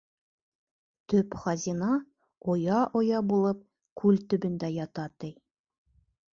Төп хазина, оя-оя булып, күл төбөндә ята, ти.